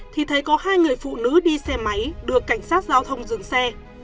thì thấy có hai người phụ nữ đi xe máy được cảnh sát giao thông dừng xe